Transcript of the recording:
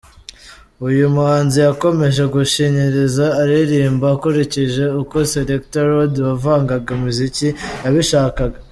Uyu muhanzi yakomeje gushinyiriza aririmba akurikije uko Selector Rod, wavangaga imiziki, yabishakaga.